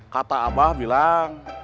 kata abah bilang